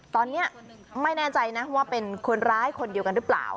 ตอนนี้ไม่แน่ใจนะว่าเป็นคนร้ายคนเดียวกันหรือเปล่า